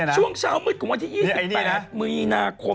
ช่วงเช้ามืดของวันที่๒๘มีนาคม